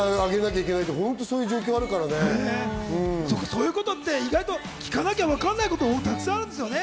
そういうことって意外と聞かなきゃ分からないことって、たくさんあるんですよね。